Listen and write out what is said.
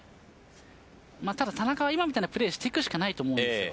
ただ田中は今みたいなプレーをしていくしかないと思います。